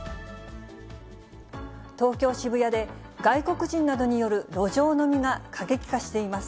東京・渋谷で、外国人などによる路上飲みが過激化しています。